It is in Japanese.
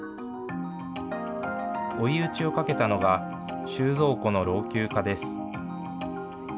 追い打ちをかけたのが、収蔵庫の老朽化です。